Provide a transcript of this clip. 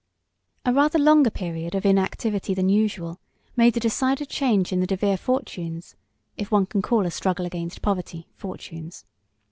A rather longer period of inactivity than usual made a decided change in the DeVere fortunes, if one can call a struggle against poverty "fortunes."